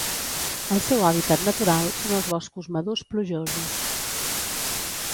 El seu hàbitat natural són els boscos madurs plujosos.